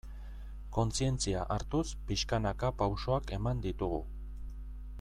Kontzientzia hartuz, pixkanaka pausoak eman ditugu.